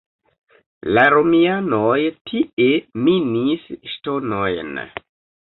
La romianoj tie minis ŝtonojn.